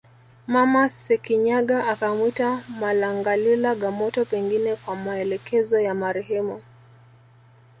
Mama Sekinyaga akamwita Malangalila Gamoto pengine kwa maelekezo ya marehemu